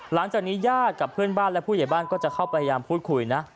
หลังจากนี้ญาติกับเพื่อนบ้านและผู้ใหญ่บ้านก็จะเข้าไปพยายามพูดคุยนะ